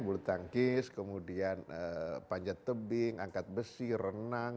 belutangkis kemudian panjat tebing angkat besi renang